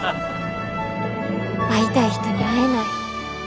会いたい人に会えない。